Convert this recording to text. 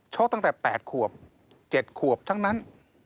ตั้งแต่๘ขวบ๗ขวบทั้งนั้น